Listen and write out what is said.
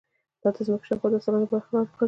دا د ځمکې شاوخوا دوه سلنه برخه رانغاړي.